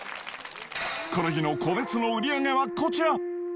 この日の個別の売り上げはこちら。